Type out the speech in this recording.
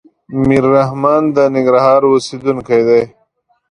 ميررحمان د ننګرهار اوسيدونکی دی.